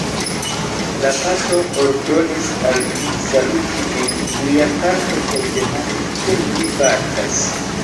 La patro ordonis al mi saluti vin liaparte kaj demandi, kiel vi fartas.